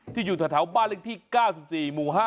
อยู่แถวบ้านเลขที่๙๔หมู่๕